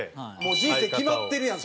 人生決まってるやん